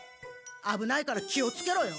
あぶないから気をつけろよ。